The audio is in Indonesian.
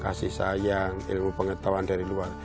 kasih sayang ilmu pengetahuan dari luar